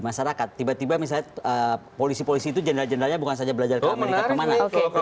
masyarakat tiba tiba misal polisi polisi itu jendela jendelanya bukan saja belajar ke mana